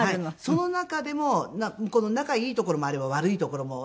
その中でも仲いいところもあれば悪いところも。